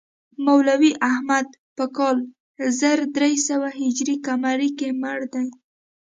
مولوي احمد په کال زر درې سوه هجري قمري مړ دی.